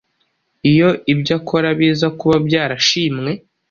iyo ibyo akora biza kuba byarashimwe!